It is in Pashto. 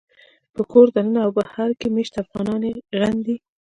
په کور دننه او بهر کې مېشت افغانان یې غندي